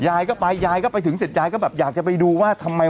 ยายก็ไปยายก็ไปถึงเสร็จยายก็แบบอยากจะไปดูว่าทำไม